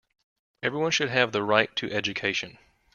Everyone should have the right to education.